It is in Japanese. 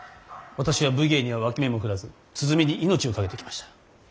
私は武芸には脇目も振らず鼓に命を懸けてきました。